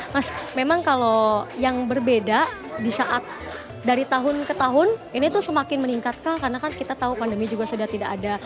mas memang kalau yang berbeda di saat dari tahun ke tahun ini tuh semakin meningkat kah karena kan kita tahu pandemi juga sudah tidak ada